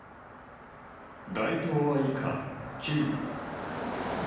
大東亜以下９。